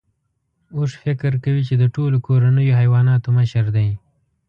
اوښ فکر کوي چې د ټولو کورنیو حیواناتو مشر دی.